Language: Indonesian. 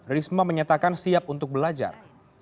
risma menyatakan siap untuk belajar